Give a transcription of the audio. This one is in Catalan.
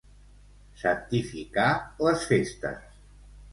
Santificar les festes.